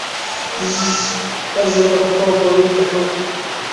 Azrem ɣef uɛebbuḍ i yelleḥu